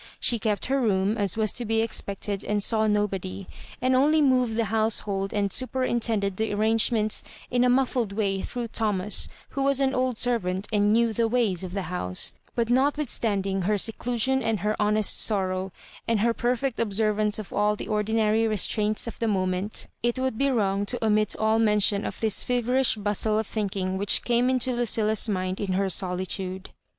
She kept her room, as was to be expected, and saw nobody, and only moved the household and superintended the arrangements in a muffled way through Thomas, who was an old servant, and knew " the ways " of the house ^ but notwithstanding her seclusion and her hon est sorrow, and her perfect observance of all the ordmary restraints of the moment, it would be Digitized by VjOOQIC 148 MISS If ABJORIBANSfi. wrong to omit all mention of this feverish bustle of thinking which came into Lucilla's mind in her solitude.